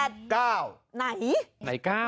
ไหนไหน๙